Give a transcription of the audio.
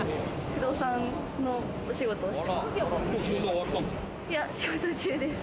不動産のお仕事をしてます。